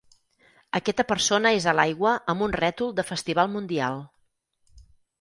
Aquesta persona és a l'aigua amb un rètol de festival mundial.